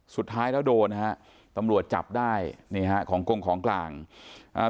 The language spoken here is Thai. สุดท้ายแล้วโดนฮะตำรวจจับได้นี่ฮะของกงของกลางอ่า